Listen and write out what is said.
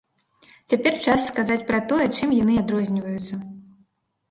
Цяпер час сказаць пра тое, чым яны адрозніваюцца.